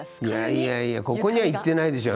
いやいや、ここには行っていないでしょう。